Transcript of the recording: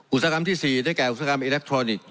อุตสาหกรรมที่๔ได้แก่อุตสาหอิเล็กทรอนิกส์